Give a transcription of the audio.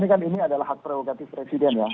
bagi kami kan ini adalah hak prerogatif presiden ya